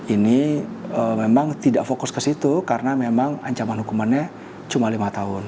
ini memang tidak fokus ke situ karena memang ancaman hukumannya cuma lima tahun